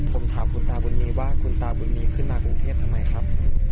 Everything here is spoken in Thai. ผมถามคุณตาบุญมีว่าคุณตาบุญมีขึ้นมากรุงเทพทำไมครับ